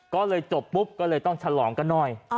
ก็เลยจบปุ๊บก็เลยต้องฉลองกันหน่อย